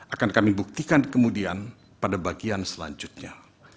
akan kami buktikan kemudian pada bagian selanjutnya